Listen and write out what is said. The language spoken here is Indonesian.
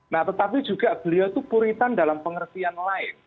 nah tetapi juga beliau itu puritan dalam pengertian lain